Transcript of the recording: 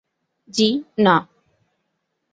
জি, না।